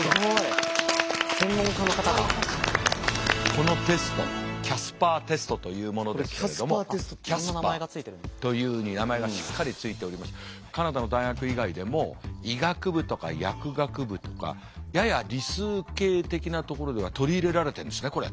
このテストキャスパーテストというものですけれどもキャスパーというふうに名前がしっかり付いておりましてカナダの大学以外でも医学部とか薬学部とかやや理数系的なところではとりいれられてるんですねこれ。